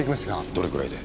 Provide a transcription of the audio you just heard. どれくらいで？